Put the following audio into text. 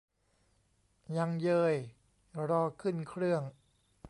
ยังเยย รอขึ้นเครื่อง